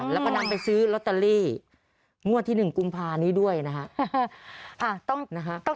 แล้วก็นำไปซื้อลอตเตอรี่งวดที่๑กุมภานี้ด้วยนะฮะ